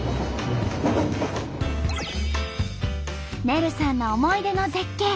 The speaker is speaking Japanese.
ねるさんの思い出の絶景。